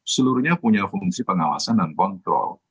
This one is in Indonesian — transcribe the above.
seluruhnya punya fungsi pengawasan dan kontrol